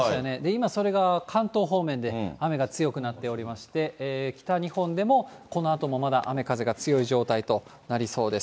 今、それが関東方面で雨が強くなっておりまして、北日本でもこのあともまだ雨風が強い状態となりそうです。